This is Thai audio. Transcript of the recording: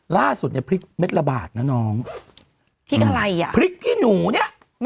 ล่าสุดเนี่ยพริกเม็ดละบาทนะน้องพริกอะไรอ่ะพริกขี้หนูเนี้ย